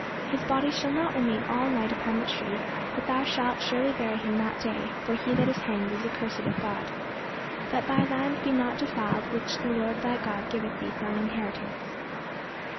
His body shall not remain all night upon the tree, but thou shalt surely bury him that day; for he that is hanged is accursed of God. That thy land be not defiled which the Lord thy God giveth thee for an inheritance.